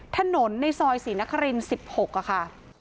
ถนนในซอยศรีนครินทร์สิบหกอะค่ะ